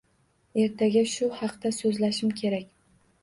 Ertaga shu haqda soʻzlashim kerak.